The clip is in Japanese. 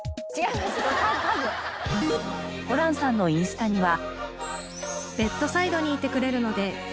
ホランさんのインスタには。